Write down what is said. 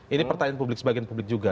ini pertanyaan publik sebagian publik juga